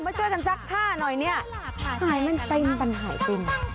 ช่วยกันซักผ้าหน่อยเนี่ยสายมันเป็นปัญหาจริง